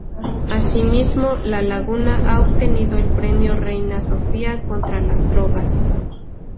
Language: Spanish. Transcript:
A sí mismo, La Laguna ha obtenido el Premio Reina Sofía contra las Drogas.